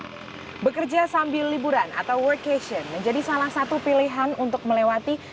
hai bekerja sambil liburan atau workation menjadi salah satu pilihan untuk melewati